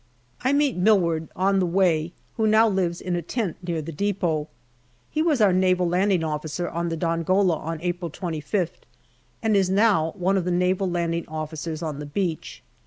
I meet Milward on the way, who now lives in a tent near the depot. He was our Naval Landing Officer on the Dongola on April 25th, and is now one of the Naval Landing Officers on the beach.